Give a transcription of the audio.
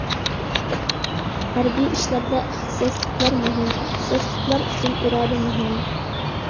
ھەربىي ئىشلاردا ئىختىساسلىقلار مۇھىم، ئىختىساسلىقلار ئۈچۈن ئىرادە مۇھىم.